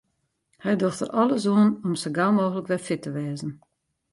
Hy docht der alles oan om sa gau mooglik wer fit te wêzen.